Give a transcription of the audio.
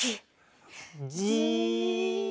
じっ。